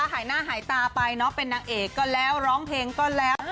หายหน้าหายตาไปเนอะเป็นนางเอกก็แล้วร้องเพลงก็แล้ว